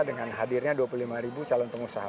dengan hadirnya dua puluh lima ribu calon pengusaha